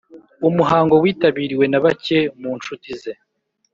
Umuhango witabiriwe na bake mu nshuti ze